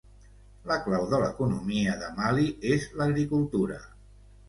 La clau de l'economia de Mali és l'agricultura.